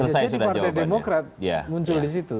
jadi partai demokrat muncul di situ